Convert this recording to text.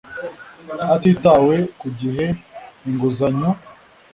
hatitawe ku gihe inguzanyo